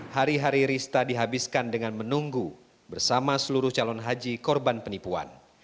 hari hari rista dihabiskan dengan menunggu bersama seluruh calon haji korban penipuan